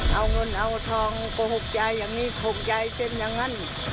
เอาเงินเอาอัตธองกโทษแจยังมีธุมใจเต็มยังงั้น